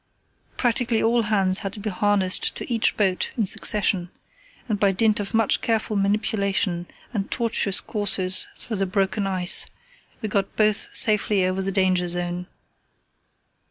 Practically all hands had to be harnessed to each boat in succession, and by dint of much careful manipulation and tortuous courses amongst the broken ice we got both safely over the danger zone.